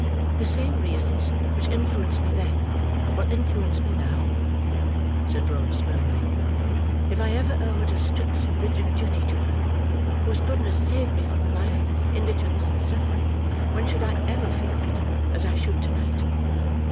"The same reasons which influenced me then, will influence me now," said Rose firmly. "If I ever owed a strict and rigid duty to her, whose goodness saved me from a life of indigence and suffering, when should I ever feel it, as I should to night?